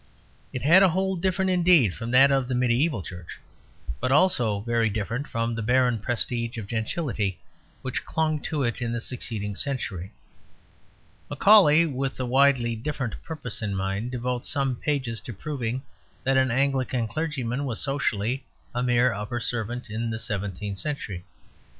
It had a hold different indeed from that of the mediæval Church, but also very different from the barren prestige of gentility which clung to it in the succeeding century. Macaulay, with a widely different purpose in mind, devotes some pages to proving that an Anglican clergyman was socially a mere upper servant in the seventeenth century.